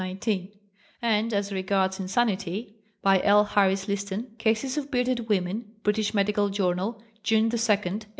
219) and, as regards insanity, by L. Harris Liston ("Cases of Bearded Women," British Medical Journal, June 2, 1894).